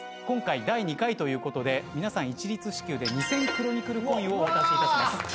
今回第２回ということで皆さん一律支給で２，０００クロニクルコインをお渡しいたします。